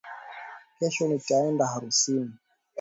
Kesho nitaenda harusini